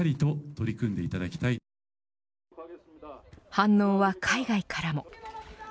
反応は海外からも。